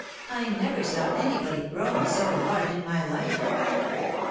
I never saw anybody grow so large in my hfe."